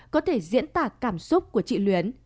có thể diễn tả cảm xúc của chị huyền